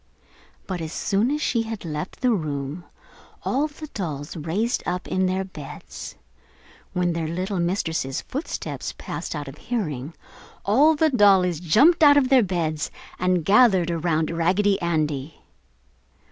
But as soon as she had left the room all the dolls raised up in their beds. When their little mistress' footsteps passed out of hearing, all the dollies jumped out of their beds and gathered around Raggedy Andy.